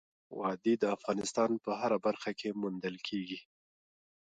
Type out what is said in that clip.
وادي د افغانستان په هره برخه کې موندل کېږي.